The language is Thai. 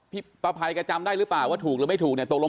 พี่พระภัยก็จำได้หรือเปล่าว่าถูกหรือไม่ถูกเนี่ย